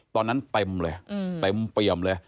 ตอนนั้นเต็มเลย